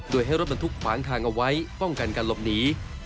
โดยให้รถบรรทุกขวางทางเอาไว้ป้องกันการหลบหนี